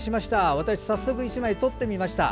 私、早速１枚撮ってみました。